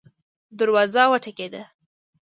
دروازه وټکیده